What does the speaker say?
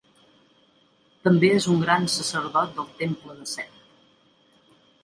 També és un gran sacerdot del temple de Set.